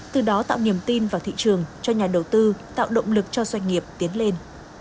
từ đó tạo niềm tin vào thị trường cho nhà đầu tư tạo động lực cho doanh nghiệp tiến lên